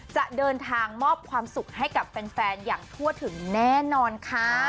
จะเดินทางมอบความสุขให้กับแฟนอย่างทั่วถึงแน่นอนค่ะ